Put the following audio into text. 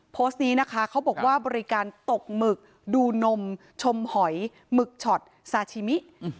โพสต์นี้นะคะเขาบอกว่าบริการตกหมึกดูนมชมหอยหมึกช็อตซาชิมิ